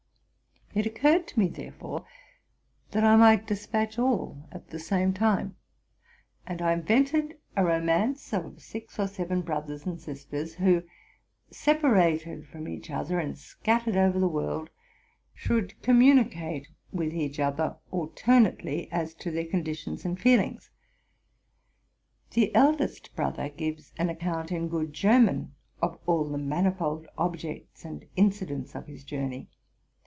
It occurred to me, therefore, that I might despatch 102 TRUTH AND FICTION all at the same time; and I invented a romance of six or seven brothers and sisters, who, separated from each other and seattered over the world, should communicate with each other alternately as to their conditions and feelings. The eldest brother gives an account, in good German, of all the manifold objects and incidents of his journey.